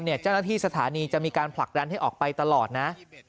เจ้าหน้าที่สถานีจะมีการผลักดันให้ออกไปตลอดนะ